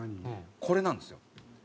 これなんですよ。